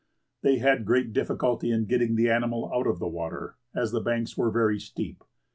They had great difficulty in getting the animal out of the water, as the banks were very steep.